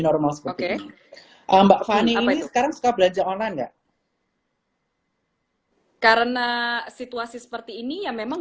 normal seperti ini mba fani sekarang suka belanja online gak karena situasi seperti ini yang memang